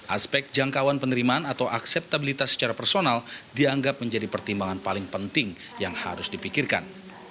aspek jangkauan penerimaan atau akseptabilitas secara personal dianggap menjadi pertimbangan paling penting yang harus dipikirkan